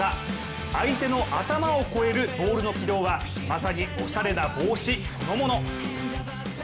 相手の頭を越えるボールの軌道はまさにおしゃれな帽子そのもの。